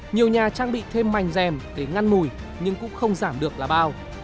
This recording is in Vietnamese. nhiều nhà trang bị thêm mảnh rèm để ngăn mùi nhưng cũng không giảm được là bao